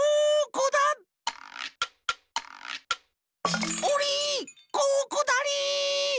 ここだリ！